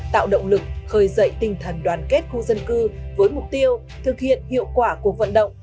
tạo động lực khởi dậy tinh thần đoàn kết khu dân cư với mục tiêu thực hiện hiệu quả cuộc vận động